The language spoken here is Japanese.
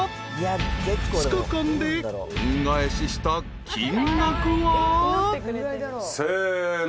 ［２日間で恩返しした金額は］せーの。